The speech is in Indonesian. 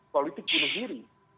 politik bunuh diri